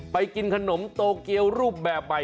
กินขนมโตเกียวรูปแบบใหม่